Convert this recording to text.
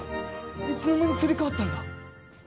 いつの間にすり替わったんだ？